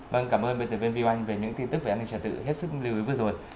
vâng cảm ơn biên tập viên vi anh về những tin tức về an ninh trật tự hết sức lưu ý vừa rồi